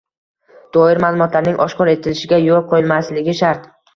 doir ma’lumotlarning oshkor etilishiga yo‘l qo‘ymasligi shart.